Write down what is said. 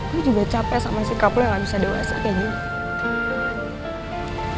gue juga capek sama si kak lo yang gak bisa dewasa kayak gini